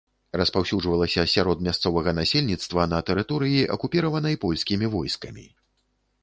Распаўсюджвалася сярод мясцовага насельніцтва на тэрыторыі, акупіраванай польскімі войскамі.